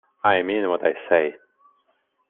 I mean what I say.